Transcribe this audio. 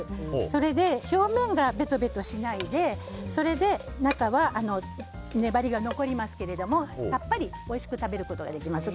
それで表面がベトベトしないで中は粘りが残りますけれどもさっぱり、おいしく食べることができます。